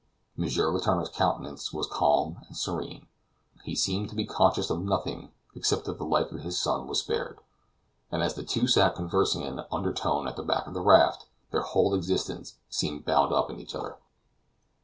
M. Letourneur's countenance was calm and serene; he seemed to be conscious of nothing except that the life of his son was spared, and as the two sat conversing in an undertone at the back of the raft, their whole existence seemed bound up in each other.